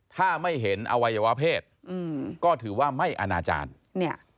ถ้าไม่เห็นอวัยวเพศก็ถือว่าไม่อนาจารย์